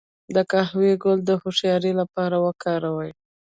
د قهوې ګل د هوښیارۍ لپاره وکاروئ